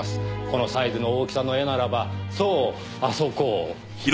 このサイズの大きさの絵ならばそうあそこ。